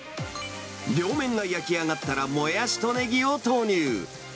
両面が焼き上がったら、モヤシとネギを投入。